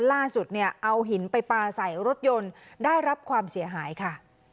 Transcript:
ล่าสุดเนี่ยเอาหินไปปลาใส่รถยนต์ได้รับความเสียหายค่ะ